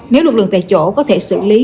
nếu lực lượng tại chỗ có thể xử lý